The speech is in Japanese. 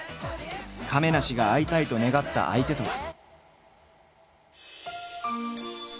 亀梨が会いたいと願った相手とは。